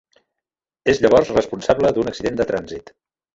És llavors responsable d'un accident de trànsit.